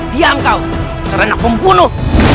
diam kau serenak pembunuh